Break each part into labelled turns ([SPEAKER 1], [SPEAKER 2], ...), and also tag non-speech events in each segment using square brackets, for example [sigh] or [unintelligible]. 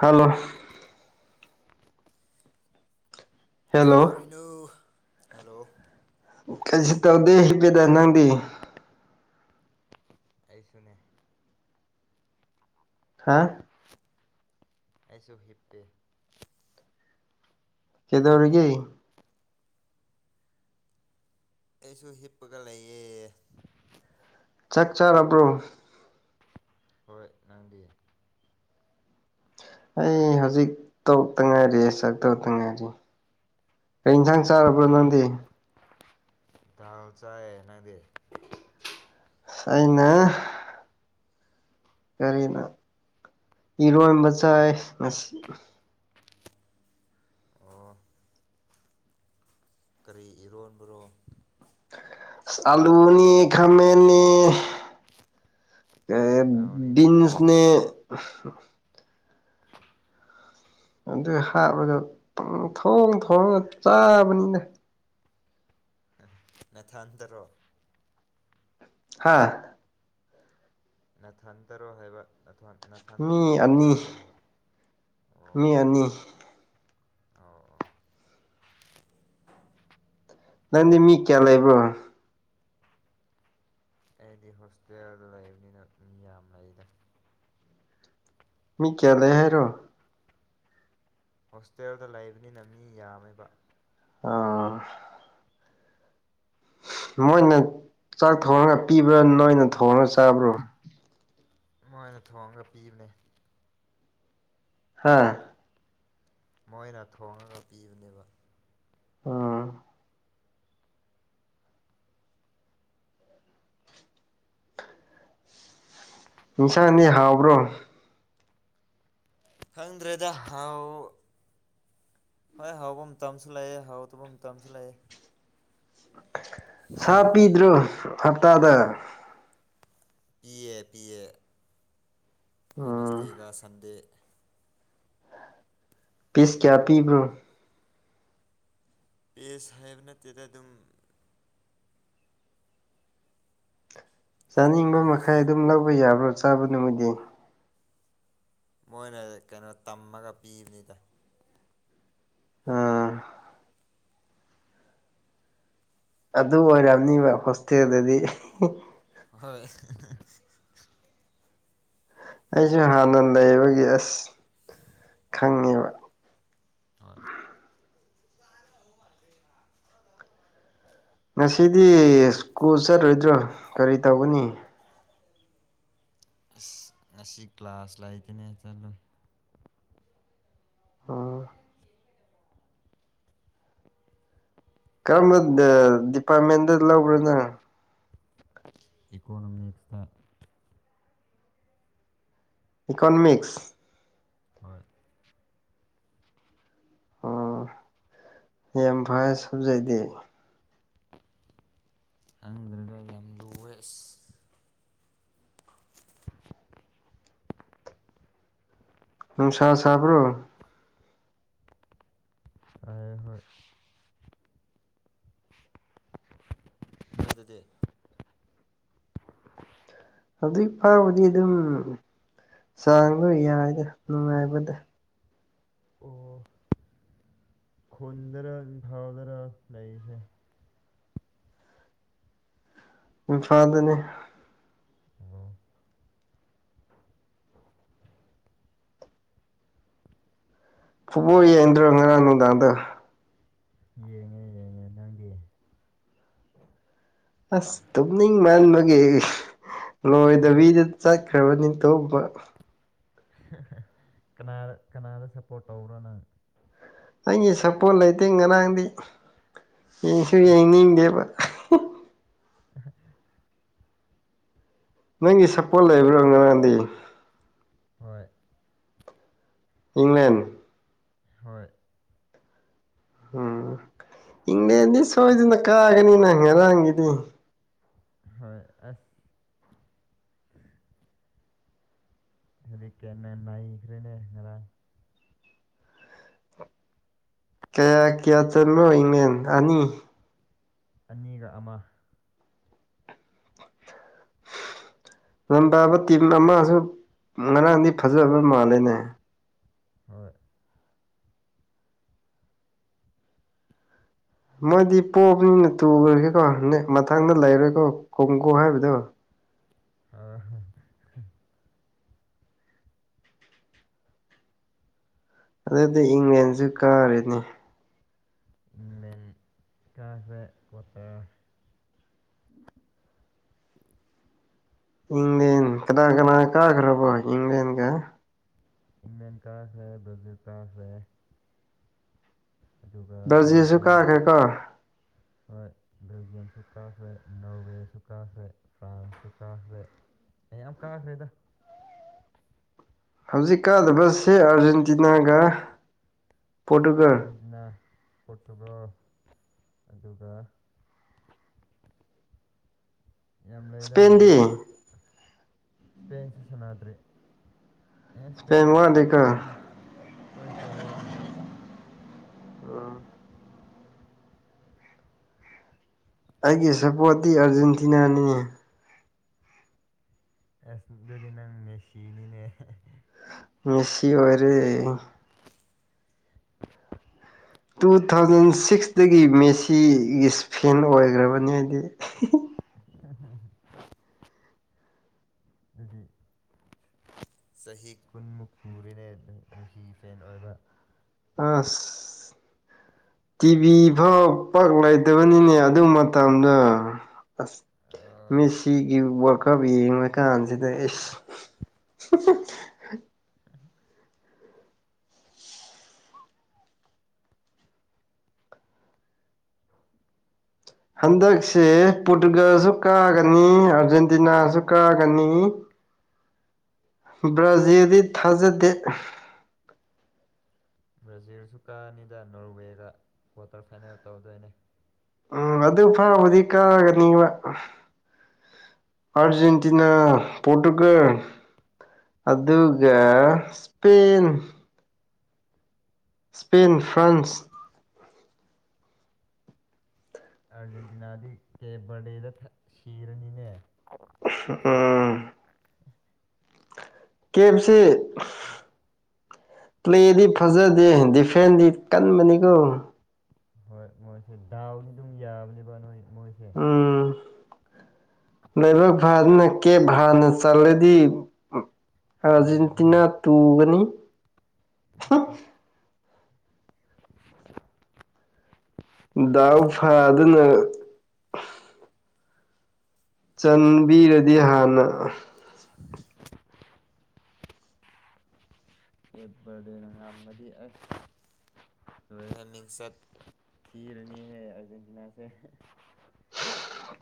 [SPEAKER 1] hello
[SPEAKER 2] ꯀꯩ
[SPEAKER 1] hello
[SPEAKER 2] ꯇꯧꯔꯤꯅꯣ hello
[SPEAKER 1] ꯀꯩꯁꯨ ꯇꯧꯗꯦ ꯍꯄꯦꯗ ꯅꯪꯗꯤ
[SPEAKER 2] ꯑꯩꯁꯨꯅꯦ
[SPEAKER 1] ꯍꯥ
[SPEAKER 2] ꯑꯁꯣ ꯍꯤꯞꯄꯦ
[SPEAKER 1] ꯀꯗꯧꯔꯤꯒ
[SPEAKER 2] ꯑꯩꯁꯨ ꯍꯤꯞꯄꯒ ꯂꯩꯌꯦ
[SPEAKER 1] ꯆꯛꯆꯔꯕ꯭ꯔꯣ
[SPEAKER 2] ꯍꯣꯏ ꯅꯪꯗꯤ
[SPEAKER 1] ꯑꯩ ꯍꯧꯖꯤꯛ ꯇꯧꯛꯇ ꯉꯥꯏꯔꯤ ꯆꯥꯛ ꯇꯕꯛꯇ ꯉꯥꯏꯔꯤ ꯀꯩ
[SPEAKER 2] ꯑꯣ
[SPEAKER 1] ꯏꯟꯁꯥꯡ ꯆꯥꯔꯕ꯭ꯔꯣ ꯅꯪꯗꯤ
[SPEAKER 2] ꯥꯎ ꯆꯑ ꯅꯅꯥꯗꯦ
[SPEAKER 1] ꯁꯅ ꯀꯔꯤꯅ ꯏꯔꯣꯟꯕ ꯆꯥꯏ ꯉꯁꯤ
[SPEAKER 2] ꯑꯣ ꯀꯔꯤ ꯏꯔꯣꯟꯕꯔꯣ
[SPEAKER 1] ꯑꯂꯨꯅꯤ ꯈꯃꯅꯤ
[SPEAKER 2] ꯍꯥꯎꯅꯤꯅ
[SPEAKER 1] ꯀꯗꯤꯟꯁꯅꯦ ꯑꯗꯨ ꯍꯥꯞꯄꯗ ꯄ ꯊꯣꯡ ꯊꯣꯡꯅ ꯆꯥꯕꯅꯤꯅ
[SPEAKER 2] ꯅꯊꯟꯇꯔꯣ
[SPEAKER 1] ꯍꯥꯥ
[SPEAKER 2] ꯅꯊꯟꯇꯔꯣ ꯍꯥꯏꯕ ꯊ ꯅꯅꯥꯊꯟꯇ
[SPEAKER 1] ꯃꯤ
[SPEAKER 2] ꯊꯣꯡꯉꯒ
[SPEAKER 1] ꯑꯅꯤ
[SPEAKER 2] ꯆꯥꯕ꯭ꯔꯣ ꯍꯥꯏꯕ ꯑꯣ
[SPEAKER 1] ꯃꯤ ꯑꯅꯤ
[SPEAKER 2] ꯑꯣ ꯑꯣ
[SPEAKER 1] ꯅꯗꯤ ꯃꯤ ꯀꯌꯥ ꯂꯩ ꯂꯩꯕꯣ
[SPEAKER 2] ꯑꯩꯗꯤ ꯍꯣꯁꯇꯦꯜꯗ ꯂꯩꯕꯅꯤꯅ ꯃꯤ ꯌꯥꯝ ꯂꯩꯗ
[SPEAKER 1] ꯃꯤ ꯀꯌꯥꯗꯦ ꯍꯥꯏꯦꯔꯣ
[SPEAKER 2] ꯍꯣꯁꯇꯦꯜꯗ ꯂꯩꯕꯅꯤꯅ ꯃꯤ ꯌꯥꯝꯃꯦꯕ
[SPEAKER 1] ꯑꯥ ꯃꯣꯏꯅ ꯆꯥꯛ ꯊꯣꯡꯉꯒ ꯄꯤꯕ꯭ꯔꯥ ꯅꯣꯏꯅ ꯊꯣꯡꯉꯒ ꯆꯥꯕ꯭ꯔꯥ
[SPEAKER 2] ꯃꯣꯏꯅ ꯊꯣꯡꯉꯒ ꯄꯤꯕꯅꯦ
[SPEAKER 1] ꯍꯥꯥ
[SPEAKER 2] ꯃꯣꯏꯅ ꯊꯣꯡꯉꯒ ꯄꯤꯕꯅꯦꯕ
[SPEAKER 1] ꯎꯝ ꯏꯟꯁꯥꯡꯅꯦ ꯍꯥꯎꯕ꯭ꯔꯣ
[SPEAKER 2] ꯈꯪꯗ꯭ꯔꯗ ꯍꯥꯎ ꯍꯣꯏ ꯍꯥꯎꯐꯝ ꯇꯁꯨ ꯂꯩꯑꯦ ꯍꯥꯎꯗꯕ ꯇꯁꯨ ꯂꯩꯑꯦ
[SPEAKER 1] ꯁꯥ ꯄꯤꯗ꯭ꯔꯣ ꯍꯞꯇꯥꯗ
[SPEAKER 2] ꯄꯤ ꯑꯦ ꯄ ꯑꯦ
[SPEAKER 1] ꯎꯝ
[SPEAKER 2] ꯦꯅꯁꯗꯦꯒ ꯁꯟꯗꯦ
[SPEAKER 1] ꯄꯤꯁ ꯀꯌꯥ ꯄꯤꯕ꯭ꯔꯣ
[SPEAKER 2] ꯄꯁ ꯍꯥꯏꯕ ꯅꯠꯇꯦꯗ ꯑꯗꯨꯝ
[SPEAKER 1] ꯆꯥꯅꯤꯡꯕ
[SPEAKER 2] ꯈꯪꯗ꯭ꯔꯦꯗ
[SPEAKER 1] ꯃꯈꯥꯏ ꯑꯗꯨꯝ ꯂꯧꯕ ꯌꯥꯕ꯭ꯔꯣ ꯆꯥꯕ ꯅꯨꯃꯤꯠꯗꯤ
[SPEAKER 2] ꯃꯣꯏꯅ ꯀꯩꯅꯣ ꯇꯝꯃꯒ ꯄꯤꯕꯅꯤꯗ
[SPEAKER 1] ꯑꯝ ꯑꯗꯨ ꯑꯣꯏꯔꯝꯅꯤꯕ ꯍꯣꯁꯇꯦꯜꯗꯗꯤ
[SPEAKER 2] ꯍꯣꯏ
[SPEAKER 1] ꯑꯩꯁꯨ ꯍꯥꯟꯅ ꯂꯩꯕꯒꯤ ꯑꯁ ꯈꯪꯉꯦꯕ
[SPEAKER 2] ꯑꯣꯏ
[SPEAKER 1] ꯉꯁꯤꯗꯤ ꯁ꯭ꯀꯨꯜ ꯆꯠꯂꯣꯏꯗ꯭ꯔꯣ ꯀꯔꯤ ꯇꯧꯒꯅꯤ
[SPEAKER 2] ꯑꯁ ꯉꯁꯤ ꯀ꯭ꯂꯥꯁ ꯂꯩꯇꯅꯦ ꯆꯠꯂꯨ
[SPEAKER 1] ꯀꯔꯝꯕ ꯗꯤꯄꯥꯔꯠꯃꯦꯟꯗ ꯂꯧꯕ꯭ꯔꯣꯅ
[SPEAKER 2] ꯏꯀꯣꯅꯣꯃꯤꯛꯁꯇ
[SPEAKER 1] ꯏꯀꯣꯅꯃꯤꯛꯁ
[SPEAKER 2] ꯍꯣꯏ
[SPEAKER 1] ꯑꯣ ꯌꯥꯝ ꯐꯔ ꯁꯖꯩꯗꯤ
[SPEAKER 2] ꯈꯪꯈ꯭ꯔꯒ ꯌꯥꯝ ꯨ ꯋꯦꯁ
[SPEAKER 1] ꯅꯨꯡꯁ ꯁꯥꯕ꯭ꯔꯣ
[SPEAKER 2] ꯑ ꯍꯣꯏ ꯅꯣꯏꯗꯗꯤ
[SPEAKER 1] ꯑꯗꯨꯏ ꯐꯥꯎꯕꯗꯤ ꯑꯗꯨꯝ ꯆꯥꯡꯗ ꯌꯥꯏꯗ ꯅꯨꯡꯉꯥꯏꯕꯗ
[SPEAKER 2] ꯈꯣꯟꯗꯔ ꯊꯥꯎꯗꯔ
[SPEAKER 1] ꯏꯝꯐꯥꯟꯗꯅꯦ
[SPEAKER 2] ꯑꯣ
[SPEAKER 1] ꯐꯨꯕꯣꯜ ꯌꯥꯟꯗ꯭ꯔꯣ ꯑꯅꯣꯗꯥꯗꯣ
[SPEAKER 2] ꯌꯦꯡꯉꯦ ꯌꯦꯡꯉꯦ ꯅꯪꯗꯤ
[SPEAKER 1] ꯑꯁ ꯇꯝꯅ ꯃꯥꯜꯅꯕꯒꯤꯦ ꯂꯣꯏꯗꯕꯤꯗ ꯆꯠꯈ꯭ꯔꯕ ꯅꯤꯡꯇꯧꯕ
[SPEAKER 2] ꯀꯅꯥꯗ ꯀꯅꯥꯗ ꯁꯞꯄꯣꯔꯠ ꯇꯧꯕ꯭ꯔꯣꯅꯪ
[SPEAKER 1] ꯑꯩꯒꯤ ꯁꯄꯣꯔꯠ ꯂꯩꯇꯦ ꯉꯔꯥꯡꯗꯤ ꯌꯦꯡꯁꯨ ꯌꯦꯡꯅꯤꯡꯗꯦꯕ ꯅꯪꯒꯤ ꯁꯛꯄꯣꯜ ꯂꯩꯕ꯭ꯔꯣ ꯅꯔꯥꯟꯗꯤ
[SPEAKER 2] ꯍꯣꯏ
[SPEAKER 1] ꯏꯪꯂꯪꯂꯦꯟ
[SPEAKER 2] ꯍꯣꯏ
[SPEAKER 1] ꯎꯝ ꯏꯡꯂꯦꯟꯗꯤ ꯁꯣꯏꯗꯅ ꯀꯥꯒꯅꯤꯅ ꯉꯔꯥꯡꯒꯤꯗꯤ
[SPEAKER 2] ꯍꯣꯏ ꯑꯁ ꯇ ꯀꯦꯅ ꯅꯥꯏꯈꯔꯦꯅꯦ ꯈꯔ
[SPEAKER 1] ꯀꯌꯥ ꯀꯌꯥ ꯆꯣ ꯏꯪꯂꯪꯂꯦꯟ ꯑꯅꯤ
[SPEAKER 2] ꯑꯅꯤꯒ ꯑꯃ [inaudible]
[SPEAKER 1] ꯂꯝ ꯄꯥꯕ ꯇꯤꯝ ꯑꯃꯁꯨ ꯉꯔꯥꯡꯗꯤ ꯐꯖꯕ ꯃꯥꯜꯂꯦꯅꯦ
[SPEAKER 2] ꯍꯣꯏ
[SPEAKER 1] ꯃꯣꯏꯗꯤ ꯄꯣꯞꯅꯤꯅ ꯇꯨꯈ꯭ꯔꯒꯦꯀꯣ ꯅ ꯃꯊꯪꯗ ꯂꯩꯔꯦꯀꯣ ꯈꯣꯡꯀꯨ ꯍꯥꯏꯕꯗꯣ
[SPEAKER 2] ꯑ
[SPEAKER 1] ꯑꯗꯨꯗꯤ ꯏꯪꯂꯦꯟꯁꯨ ꯀꯥꯔꯤꯅꯤ
[SPEAKER 2] ꯀꯥꯁꯦ ꯈꯠꯇ
[SPEAKER 1] ꯏꯪ꯭ꯂꯦꯟ ꯀꯅꯥ ꯀꯅꯥ ꯀꯥ ꯈ꯭ꯔꯦꯕꯣ ꯏꯪꯪꯂ꯭ꯂꯦꯟ ꯀ
[SPEAKER 2] ꯏꯪꯂꯦꯟ ꯀꯥꯥꯁꯦ ꯭ꯔꯖꯤꯜ ꯀꯥꯥꯁꯦ
[SPEAKER 1] ꯔꯖꯤꯁꯨꯨꯀꯥ ꯀꯦ ꯀ
[SPEAKER 2] ꯍꯣꯏ ꯕꯦꯜꯖꯤꯌꯝꯁꯨ ꯀꯥꯈ꯭ꯔꯦ ꯅꯣꯔꯋꯦꯁꯨ ꯀꯥꯈ꯭ꯔꯦ ꯐ꯭ꯔꯥꯟꯁꯁꯨ ꯀꯥꯈ꯭ꯔꯦ ꯑꯩ ꯌꯥꯝ ꯀꯥꯈ꯭ꯔꯦꯗ
[SPEAKER 1] ꯍꯧꯖꯤꯛ ꯀꯥꯗꯕꯁꯤ ꯑꯥꯔꯖꯦꯟꯇꯤꯅꯥꯒ ꯄꯣꯔꯇꯨꯒꯜ
[SPEAKER 2] ꯑꯔꯖꯦꯟꯇꯤꯅꯥ ꯄꯣꯔꯇꯨꯒꯜ ꯑꯗꯨꯒ ꯌꯥꯝ ꯂꯩꯗ
[SPEAKER 1] ꯏꯁꯄꯦꯟꯗꯤ
[SPEAKER 2] ꯍꯧꯖꯤꯛ ꯏꯁꯄꯦꯟꯁꯨ ꯁꯥꯟꯅꯗ꯭ꯔꯔꯤ
[SPEAKER 1] ꯃꯗꯤ ꯀ
[SPEAKER 2] ꯐꯁ ꯕꯦꯡꯋꯥꯔꯂꯤ
[SPEAKER 1] ꯑꯩꯒꯤ ꯁꯞꯄꯣꯔꯠꯇꯤ ꯑꯥꯔꯖꯦꯟꯇꯤꯅꯥꯅꯤ
[SPEAKER 2] ꯑ ꯑꯗꯨꯗꯤ ꯅꯪ ꯃꯦꯁꯤꯅꯤꯅꯦ
[SPEAKER 1] ꯃꯁꯤꯁꯤ ꯑꯣꯏꯔ ꯇꯨ ꯊꯥꯎꯖꯟ ꯁꯤꯛꯁꯇꯒꯤ ꯃꯦꯁꯤꯒꯤ ꯏꯁ ꯐꯦꯟ ꯑꯣꯏꯈ꯭ꯔꯕꯅꯤ ꯍꯥꯏꯗꯤ
[SPEAKER 2] ꯎꯝꯝ ꯑꯗꯨꯗꯤ ꯆꯍꯤ ꯀꯨꯟꯃꯨꯛ ꯁꯨꯔꯦꯅꯦ ꯃꯦꯁꯤ ꯐꯦꯟ ꯑꯣꯏꯕ
[SPEAKER 1] ꯄꯥꯁ [unintelligible] ꯇꯤꯚꯤ ꯐꯥꯎ ꯄꯥꯛ ꯂꯩꯇꯕꯅꯤꯅꯦ ꯑꯗꯨ ꯃꯇꯝꯗ ꯑꯁ
[SPEAKER 2] ꯑꯥ
[SPEAKER 1] ꯃꯤꯁꯤꯒꯤ ꯋꯥꯔꯜꯀꯞ ꯌꯦꯡꯕ ꯀꯥꯟꯁꯤꯗ ꯑꯦ [inaudible] ꯍꯟꯗꯛꯁꯦ ꯄꯣꯔꯇꯨꯒꯜꯁꯨ ꯀꯥꯒꯅꯤ ꯑꯥꯔꯖꯦꯟꯇꯤꯅꯥꯁꯨ ꯀꯥꯒꯅꯤ ꯕ꯭ꯔꯥꯖꯤꯜꯗꯤ ꯊꯥꯖꯗꯦ
[SPEAKER 2] ꯕ꯭ꯔꯥꯖꯤꯜꯁꯨ ꯀꯥꯅꯤꯗ ꯅꯣꯔꯋꯦꯗ ꯀ꯭ꯋꯥꯇꯔ ꯐꯥꯏꯅꯦꯜ ꯇꯧꯗꯣꯏꯅꯦ
[SPEAKER 1] ꯎꯝ ꯑꯗꯨ ꯐꯥꯎꯕꯗꯤ ꯀꯥꯒꯅꯤꯕ ꯑꯔꯖꯦꯟꯇꯤꯅꯥ ꯄꯣꯔꯇꯨꯒꯜ ꯑꯗꯨꯒ ꯁꯄꯦꯟꯟ ꯏꯁꯄꯦꯟ ꯐ꯭ꯔꯥꯟꯁ
[SPEAKER 2] ꯑꯥꯔꯖꯦꯟꯇꯤꯅꯥꯗꯤ ꯀꯦꯕꯔꯗꯦꯗ ꯁꯤꯔꯅꯤꯅꯦ
[SPEAKER 1] ꯎꯝ ꯀꯦꯞꯁꯤ ꯄ꯭ꯂꯦꯗꯤ ꯐꯖꯗꯦ ꯗꯤꯐꯦꯟꯗꯤ ꯀꯟꯕꯅꯤꯀꯣ
[SPEAKER 2] ꯍꯣꯏ ꯃꯣꯏꯁꯦ ꯗꯥꯎꯗꯤ ꯑꯗꯨꯝ ꯌꯥꯕꯅꯦꯕ ꯅꯣꯏ ꯃꯣꯏꯁꯦ
[SPEAKER 1] ꯎꯝ ꯂꯥꯏꯕꯛ ꯐꯥꯗꯅ ꯀꯦꯕ ꯍꯥꯟꯅ ꯆꯜꯂꯗꯤ
[SPEAKER 2] ꯎꯝ
[SPEAKER 1] ꯑꯥꯔꯖꯦꯟꯇꯤꯅꯥ ꯇꯨꯒꯅꯤ ꯑ [unintelligible] ꯗꯥꯎ ꯐꯗꯨꯅ ꯆꯟꯕꯤꯔꯗꯤ ꯍꯥꯟꯅ
[SPEAKER 2] ꯀꯦꯕꯔꯗꯦ ꯉꯝꯃꯗꯤ ꯑꯁ ꯔꯟ ꯁꯠ ꯊꯔꯅꯤ ꯍꯥꯏ ꯑꯔꯖꯦꯟꯇꯤꯅꯥꯁ [unintelligible]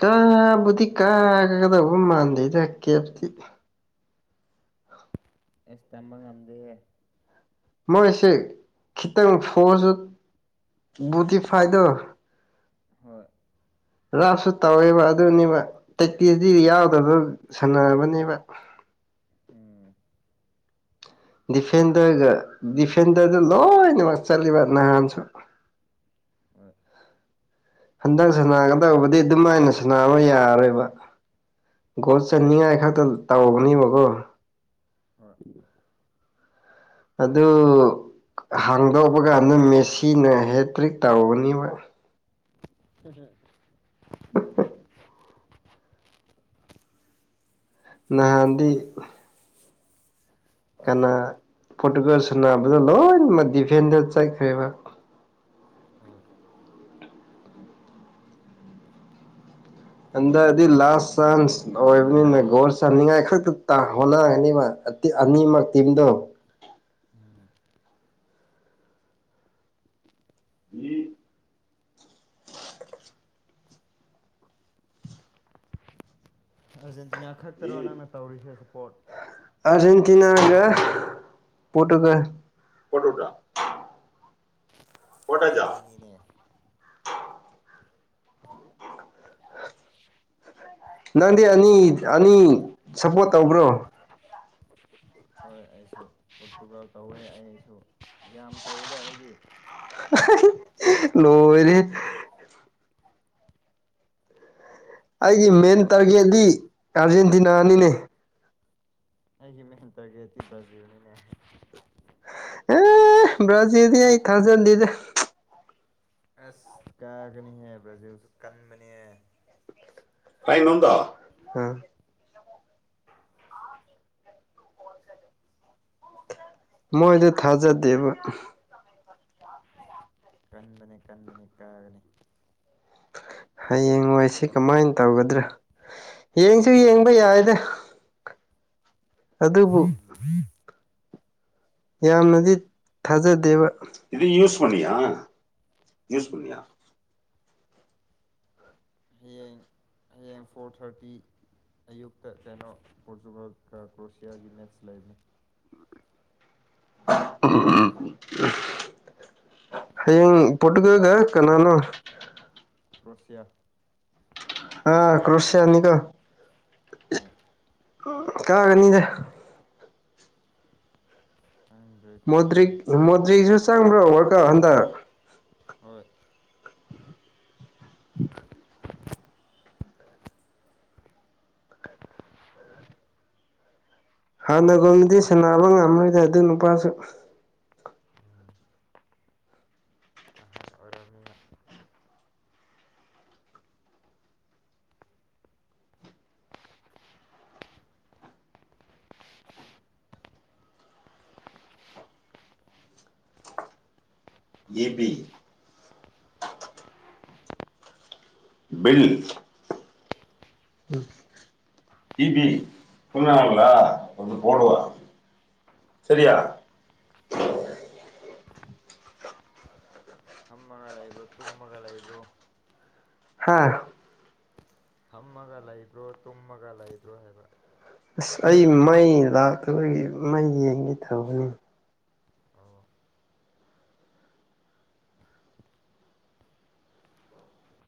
[SPEAKER 1] ꯀꯥꯕꯨꯗꯤ ꯀꯥꯒꯗꯧꯕ ꯃꯥꯟꯗꯦꯗ ꯀꯦꯞꯗꯤ
[SPEAKER 2] ꯑꯦꯁ ꯇꯝꯕ ꯉꯗ
[SPEAKER 1] ꯃꯣꯏꯁꯦ ꯈꯤꯇꯪ ꯐꯣꯔꯁꯨ ꯕꯨꯇꯤꯐꯥꯏꯗꯣ
[SPEAKER 2] ꯍꯣꯏ
[SPEAKER 1] ꯔꯥꯞꯁꯨ ꯇꯧꯋꯦꯕ ꯑꯗꯨꯅꯦꯕ ꯇꯦꯛꯇꯖꯤ ꯌꯥꯎꯗꯕ ꯁꯥꯟꯅꯔꯕꯅꯦꯕ
[SPEAKER 2] ꯎꯝ
[SPEAKER 1] ꯗꯤꯐꯦꯟꯗꯔꯒ ꯗꯤꯐꯦꯟꯗꯔꯗꯨ ꯂꯣꯏꯅꯃꯛ ꯆꯠꯂꯤꯕ ꯅꯍꯥꯟꯁꯨ
[SPEAKER 2] [inaudible]
[SPEAKER 1] ꯍꯟꯗꯛ ꯁꯅꯥꯒꯗꯧꯕꯗꯤ ꯑꯗꯨꯝꯥꯏꯅ ꯁꯥꯅꯥꯕ ꯌꯥꯔꯣꯏꯕ ꯒꯣꯜ ꯆꯟꯅꯤꯡꯉꯥꯏ ꯈꯛꯇ ꯇꯧꯕꯅꯦꯕꯀꯣ
[SPEAKER 2] ꯍꯣꯏ
[SPEAKER 1] ꯑꯗꯨ ꯍꯥꯡꯗꯣꯛꯄꯒ ꯑꯗꯨꯝ ꯃꯦꯁꯤꯅ ꯍꯦꯇ꯭ꯔꯤꯛ ꯇꯧꯅꯤꯕ
[SPEAKER 2] ꯍꯝ ꯍꯝ [inaudible]
[SPEAKER 1] ꯑ [inaudible] ꯅꯍꯥꯟꯗꯤ ꯀꯅꯥ ꯄꯣꯔꯇꯨꯒꯜ ꯁꯅꯥꯕꯗ ꯂꯣꯏ ꯗꯤꯐꯦꯟꯗ ꯆꯠꯈ꯭ꯔꯦꯕ
[SPEAKER 2] ꯍꯣꯏ
[SPEAKER 1] ꯍꯟꯗꯛꯗꯤ ꯂꯥꯁ ꯆꯥꯟꯁ ꯑꯣꯏꯕꯅꯤꯅ ꯒꯣꯜ ꯆꯥꯟꯅꯤꯡꯉꯥꯏ ꯈꯛꯇ ꯍꯣꯠꯅꯒꯅꯤꯕ ꯑꯅꯤꯃꯛ ꯇꯤꯝꯗꯣ
[SPEAKER 2] ꯎꯝ [inaudible]
[SPEAKER 1] ꯎꯝ [unintelligible]
[SPEAKER 2] ꯑꯥꯔꯖꯦꯟꯇꯤꯅꯥ ꯈꯛꯇꯔꯣ ꯅꯪꯅ ꯇꯧꯔꯤꯁꯦ ꯁꯄꯣꯔꯠ
[SPEAKER 1] ꯑꯔꯖꯦꯟꯇꯤꯅꯥꯒ ꯄꯣꯇꯨꯒꯜ ꯍꯇ ꯆꯥ
[SPEAKER 2] ꯑꯅꯤꯅꯤꯅꯦ
[SPEAKER 1] [unintelligible] ꯅꯪꯗꯤ ꯑꯅꯤ-ꯑꯅꯤ ꯁꯞꯄꯣꯔꯠ ꯇꯧꯕ꯭ꯔꯣ
[SPEAKER 2] ꯍꯣꯏ ꯑꯩꯁꯨ ꯄꯣꯇꯨꯒꯜ ꯇꯧꯋꯦ ꯑꯩꯁꯨ ꯌꯥꯝ ꯇꯧꯋꯦꯗ ꯑꯩꯗꯤ
[SPEAKER 1] ꯂꯣꯏꯔꯤ ꯑꯩꯒꯤ ꯃꯦꯟ ꯇꯥꯔꯒꯦꯠꯗꯤ ꯑꯥꯔꯖꯦꯟꯇꯤꯅꯥꯅꯤꯅꯦ
[SPEAKER 2] ꯑꯩ ꯃꯦꯟ ꯇ ꯀꯦꯇ
[SPEAKER 1] ꯑꯦ ꯕ꯭ꯔꯖꯤ ꯑꯩ ꯊꯥꯖꯦꯟꯗꯤꯗ
[SPEAKER 2] ꯑꯁ ꯀꯥꯒꯅꯤꯍꯦ ꯕ꯭ꯔꯥꯖꯤꯜꯁꯨ ꯀꯟꯕꯅꯦꯍ
[SPEAKER 1] ꯐꯥꯏ ꯅꯣꯗ ꯃꯣꯏꯗꯤ ꯊꯥꯖꯗꯦꯕ
[SPEAKER 2] ꯀꯟꯕꯅꯤ ꯀꯟꯕꯅꯤ ꯀꯥꯒꯅꯤ
[SPEAKER 1] ꯍꯌꯦꯡꯋꯥꯣꯏꯁꯤ ꯀꯃꯥꯏꯅ ꯇꯧꯒꯗ꯭ꯔꯥ ꯌꯦꯡꯁꯨ ꯌꯦꯡꯕ ꯌꯥꯏꯗ ꯑꯗꯕꯨ ꯌꯥꯝꯅꯗꯤ ꯊꯥꯖ ꯗꯦꯕ ꯏꯨꯁ ꯄ ꯌꯨꯁ ꯄꯨꯟꯌꯥ
[SPEAKER 2] ꯇꯦꯝ ꯐꯣꯔ ꯊꯥꯔꯇꯤ ꯑꯌꯨꯛꯇ ꯀꯦꯅꯣ ꯄꯣꯔꯇꯨꯒꯜꯒ ꯀ꯭ꯔꯣꯁꯤꯌꯥꯒꯤ ꯃꯦꯠꯁ ꯂꯩꯔꯝꯃꯤ ꯑ
[SPEAKER 1] ꯎꯝ ꯎ ꯍꯌꯦꯡ ꯄꯠꯀꯒ ꯀꯅꯥꯅꯣ
[SPEAKER 2] ꯔ꯭ꯔꯣꯁꯤꯌꯥ
[SPEAKER 1] ꯑ ꯀ꯭ꯔꯣꯁꯌꯥꯅꯤꯒ
[SPEAKER 2] ꯎꯝ
[SPEAKER 1] ꯀꯛꯑꯒꯅꯤꯁꯦ
[SPEAKER 2] ꯈꯪꯗ꯭ꯔꯦ
[SPEAKER 1] ꯃꯨꯗ꯭ꯔꯤꯛ
[SPEAKER 2] ꯈꯪꯗ꯭ꯔꯦ
[SPEAKER 1] ꯃꯣꯏꯗ꯭ꯔꯤꯛꯁꯨ ꯆꯝ꯭ꯔ ꯑꯣꯏꯔꯀ ꯍꯟꯗ
[SPEAKER 2] ꯑꯣꯏ [unintelligible] [unintelligible]
[SPEAKER 1] ꯍꯥꯟꯅꯒꯣꯗꯤ ꯁꯥꯟꯅꯕ ꯉꯝꯃꯔꯣꯏꯗ ꯑꯗꯨ ꯅꯨꯄꯥꯁꯨ
[SPEAKER 2] ꯑꯣꯏꯔꯅꯤ
[SPEAKER 1] ꯌꯦꯕꯤ ꯕꯜꯂꯤ ꯎ ꯏ ꯄꯤ ꯈꯨꯟꯅꯉꯪꯂ ꯑꯗꯨ ꯄꯑꯣ ꯁꯔꯤ
[SPEAKER 2] ꯐꯝꯃꯒ ꯂꯩꯕ꯭ꯔꯣ ꯇꯨꯝꯃꯒ ꯂꯩꯕ꯭ꯔꯣ
[SPEAKER 1] ꯍꯥꯥ
[SPEAKER 2] ꯐꯝꯃꯒ ꯂꯩꯕ꯭ꯔꯣ ꯇꯨꯝꯃꯒ ꯂꯩꯕ꯭ꯔꯣ ꯍꯥꯏꯕ
[SPEAKER 1] ꯑꯁ ꯑꯩ ꯃꯩ ꯂꯥꯛꯇꯕꯒꯤ ꯃꯩ ꯌꯦꯡꯒꯦ ꯇꯧꯕꯅꯤ
[SPEAKER 2] ꯑꯣ